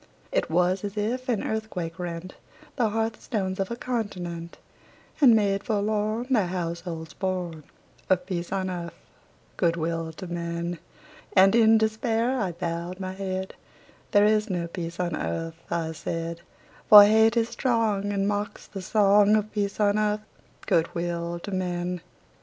It was as if an earthquake rent The hearth stones of a continent, And made forlorn The households born Of peace on earth, good will to men! And in despair I bowed my head; "There is no peace on earth," I said: "For hate is strong, And mocks the song Of peace on earth, good will to men!"